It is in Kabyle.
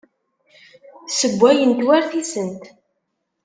Ssewwayent war tisent.